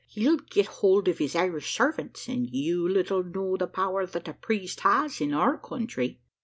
He'll get hold of his Irish servants, and you little know the power that a priest has in our country.